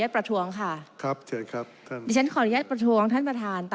ประธานครับดิฉันขออนุญาตประทวงค่ะ